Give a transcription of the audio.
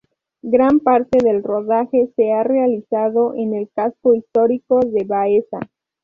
Gran parte del rodaje se ha realizado en el casco histórico de Baeza.